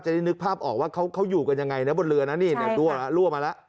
จะได้นึกภาพออกว่าเขาอยู่กันยังไงบนเรือนั้นลั้วลวกลับมาละ